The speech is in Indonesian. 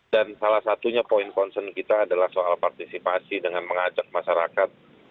dan salah satunya poin concern kita adalah soal partisipasi dengan mengajak masyarakat